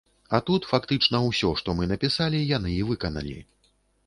А тут фактычна ўсё, што мы напісалі, яны і выканалі.